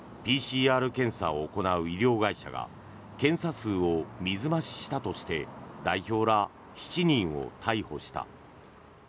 ＰＣＲ検査を行う医療会社が検査数を水増ししたとして代表ら７人を逮捕した。